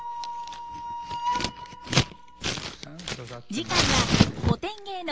次回は古典芸能